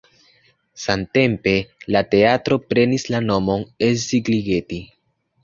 Samtempe la teatro prenis la nomon Szigligeti.